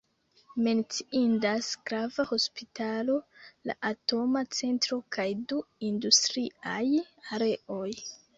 Menciindas grava hospitalo, la atoma centro kaj du industriaj areoj.